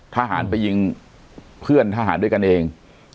ทหารไปยิงเพื่อนทหารด้วยกันเอง